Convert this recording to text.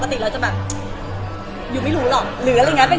ปกติเราจะแบบอยู่ไม่รู้หรอกหรืออะไรอย่างเงี้ย